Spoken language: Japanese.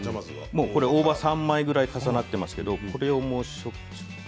大葉が３枚くらい重なっておりますけれどもこれを。